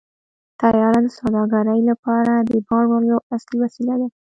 طیاره د سوداګرۍ لپاره د بار وړلو اصلي وسیله ده.